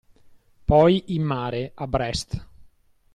Poi in mare, a Brest